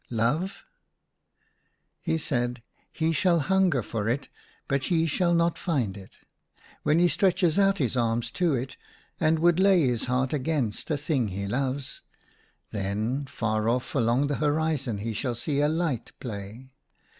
"Love?" He said, " He shall hunger for it — but he shall not find it. When he stretches out his arms to it, and would lay his heart against a thing he loves, then, far off along the horizon he shall see a light play.